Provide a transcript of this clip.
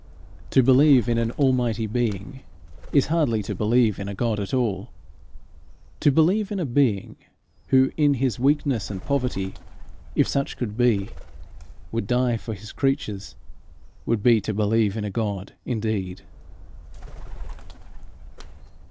To believe in an almighty being is hardly to believe in a God at all. To believe in a being who, in his weakness and poverty, if such could be, would die for his creatures, would be to believe in a God indeed.